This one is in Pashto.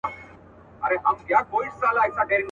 چاته وايی نابغه د دې جهان یې.